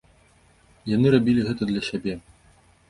Яны рабілі гэта для сябе.